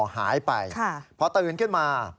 หายไปพอตื่นขึ้นมา